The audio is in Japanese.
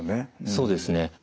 そうですね。